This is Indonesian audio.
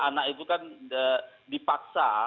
anak itu kan dipaksa